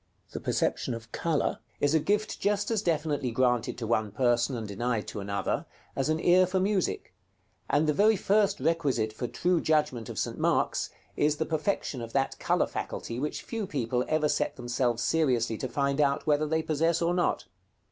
The perception of color is a gift just as definitely granted to one person, and denied to another, as an ear for music; and the very first requisite for true judgment of St. Mark's, is the perfection of that color faculty which few people ever set themselves seriously to find out whether they possess or not.